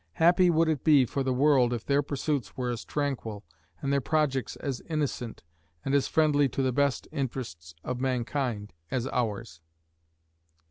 Happy would it be for the world if their pursuits were as tranquil, and their projects as innocent, and as friendly to the best interests of mankind, as ours.